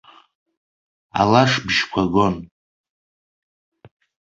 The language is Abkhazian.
Алашбжьқәа гон.